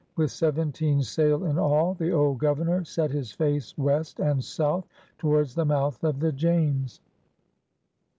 With seventeen sail in all, the old Governor set his face west and south towards the mouth of the James.